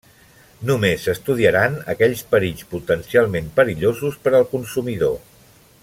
Només s'estudiaran aquells perills potencialment perillosos per al consumidor.